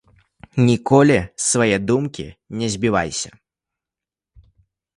Ніколі з свае думкі не збівайся.